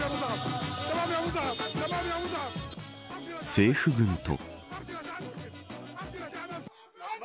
政府軍と。